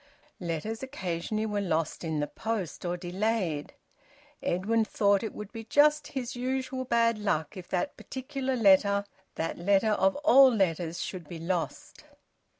Letters occasionally were lost in the post, or delayed. Edwin thought it would be just his usual bad luck if that particular letter, that letter of all letters, should be lost.